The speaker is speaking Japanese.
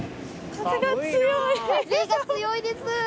風が強いです。